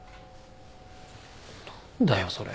何だよそれ。